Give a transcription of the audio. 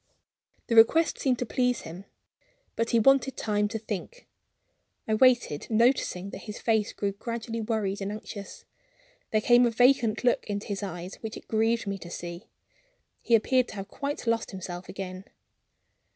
The request seemed to please him; but he wanted time to think. I waited; noticing that his face grew gradually worried and anxious. There came a vacant look into his eyes which it grieved me to see; he appeared to have quite lost himself again.